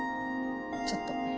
ちょっと。